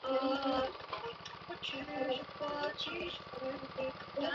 原作为大友克洋的同名短篇漫画。